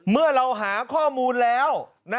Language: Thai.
เมื่อเราหาข้อมูลแล้ว